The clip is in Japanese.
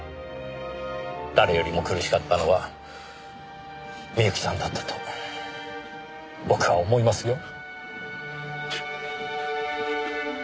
誰よりも苦しかったのは深雪さんだったと僕は思いますよ。